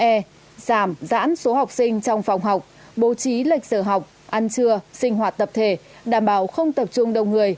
e giảm giãn số học sinh trong phòng học bố trí lệch giờ học ăn trưa sinh hoạt tập thể đảm bảo không tập trung đông người